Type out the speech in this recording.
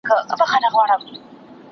په زړه مې شنه غوړاسکي سوځي